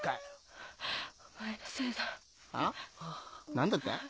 何だって？